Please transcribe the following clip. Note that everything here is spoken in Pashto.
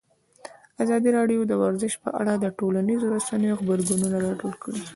ازادي راډیو د ورزش په اړه د ټولنیزو رسنیو غبرګونونه راټول کړي.